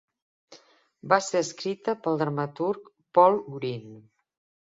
Va ser escrita pel dramaturg Paul Green.